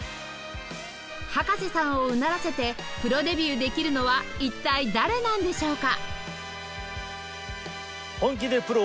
葉加瀬さんをうならせてプロデビューできるのは一体誰なんでしょうか？